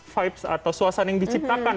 vibes atau suasana yang diciptakan